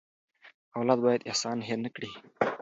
اولاد باید احسان هېر نه کړي.